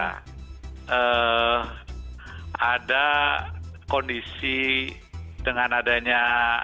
karena ada kondisi dengan adanya